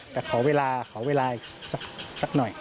แต่ขอเวลาขอเวลาอีกสักหน่อย